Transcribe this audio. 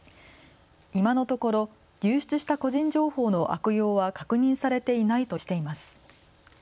今のところ、流出した個人情報の悪用は確認されていないとしています。